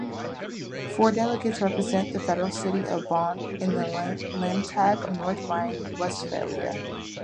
Four delegates represent the Federal city of Bonn in the Landtag of North Rhine-Westphalia.